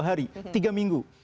dua hari tiga minggu